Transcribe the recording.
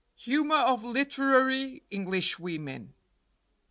HUMOR OF LITERARY ENGLISHWOMEN.